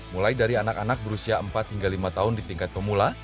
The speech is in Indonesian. mulai dari anak anak berusia empat hingga lima tahun di tingkat pemula